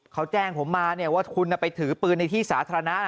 เขาแจ้งผมมาเนี่ยว่าคุณไปถือปืนในที่สาธารณะ